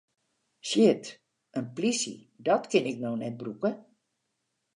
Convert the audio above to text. Shit, in plysje, dat kin ik no net brûke!